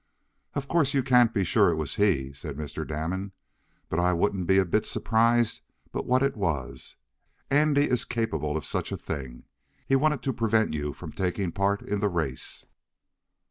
"Of course you can't be sure it was he," said Mr. Damon, "but I wouldn't be a bit surprised but what it was. Andy is capable of such a thing. He wanted to prevent you from taking part in the race."